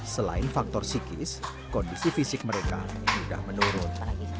selain faktor psikis kondisi fisik mereka sudah menurun